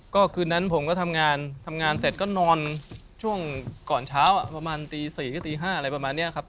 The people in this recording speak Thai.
ก็คืนนั้นผมก็ทำงานทำงานเสร็จก็นอนช่วงก่อนเช้าประมาณตี๔ก็ตี๕อะไรประมาณนี้ครับ